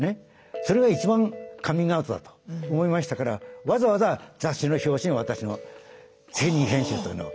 それが一番カミングアウトだと思いましたからわざわざ雑誌の表紙に私の責任編集というのを。